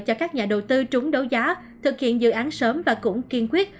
cho các nhà đầu tư trúng đấu giá thực hiện dự án sớm và cũng kiên quyết